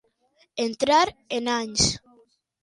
Entrar en anys.